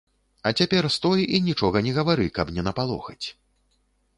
А цяпер стой і нічога не гавары, каб не напалохаць.